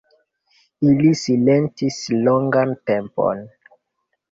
Ili silentis longan tempon.